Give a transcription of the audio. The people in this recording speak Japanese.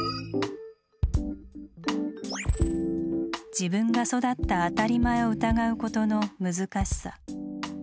自分が育った「当たり前」を疑うことの難しさ。